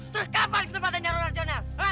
terus kapan kita patah nyarung racunnya